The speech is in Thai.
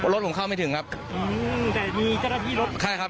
รถผมเข้าไม่ถึงครับอืมแต่มีเจ้าหน้าที่รถใช่ครับ